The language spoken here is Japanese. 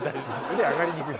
腕上がりにくい。